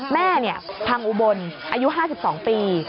แม่เนี่ยพังอุบลอายุ๕๒ปี